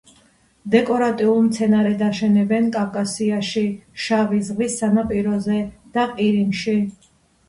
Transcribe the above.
დეკორატიულ მცენარედ აშენებენ კავკასიაში შავი ზღვის სანაპიროზე და ყირიმში.